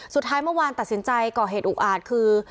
สุดท้ายเมื่อวานตัดสินใจก่อเหตุอุกอาจคือ